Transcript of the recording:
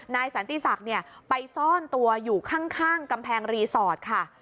สันติศักดิ์ไปซ่อนตัวอยู่ข้างกำแพงรีสอร์ทค่ะ